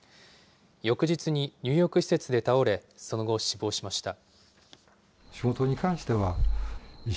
翌日に、入浴施設で倒れ、その後、死亡しました。